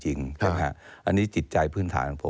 ใช่ไหมฮะอันนี้จิตใจพื้นฐานของผม